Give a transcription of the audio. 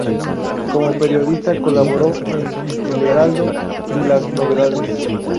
Como periodista colaboró en "El Heraldo" y "Las Novedades".